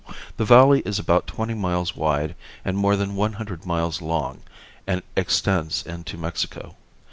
The valley is about twenty miles wide and more than one hundred miles long and extends into Mexico.